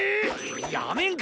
やめんか！